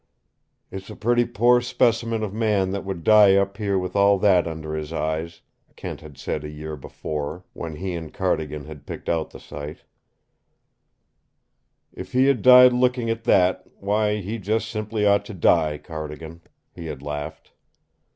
"It's a pretty poor specimen of man that would die up here with all that under his eyes," Kent had said a year before, when he and Cardigan had picked out the site. "If he died looking at that, why, he just simply ought to die, Cardigan," he had laughed.